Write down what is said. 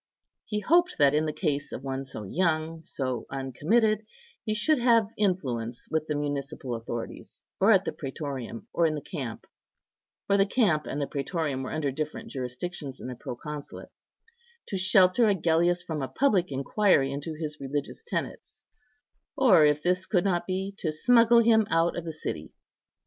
He hoped that in the case of one so young, so uncommitted, he should have influence with the municipal authorities, or at the prætorium, or in the camp (for the camp and the prætorium were under different jurisdictions in the proconsulate), to shelter Agellius from a public inquiry into his religious tenets, or if this could not be, to smuggle him out of the city.